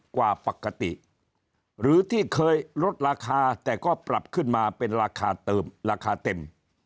กว่าปกติหรือที่เคยลดราคาแต่ก็ปรับขึ้นมาเป็นราคาเติมราคาเต็ม